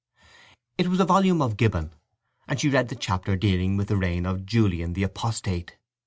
It was a volume of Gibbon, and she read the chapter dealing with the reign of Julian the Apostate.